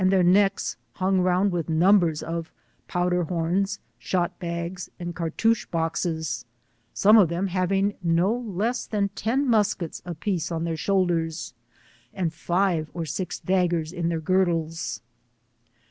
their necks hung round with numbers of powder horns, shot bags, and cartouch boxes, some of them having no less thaa ten muskets a f iece on their shoulders, and five or six dagger* in their girdles.